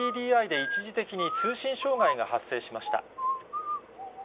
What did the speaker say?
ＫＤＤＩで一時的に通信障害が発生しました。